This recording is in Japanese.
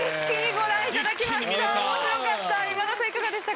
ご覧いただきました。